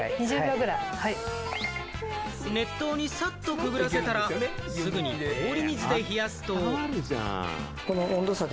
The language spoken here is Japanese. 熱湯にさっとくぐらせたら、すぐに氷水で冷やすと。